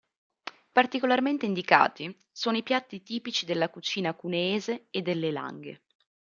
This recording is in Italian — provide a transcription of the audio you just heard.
Particolarmente indicati sono i piatti tipici della cucina cuneese e delle langhe.